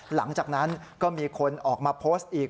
หลังจากนั้นก็มีคนออกมาโพสต์อีก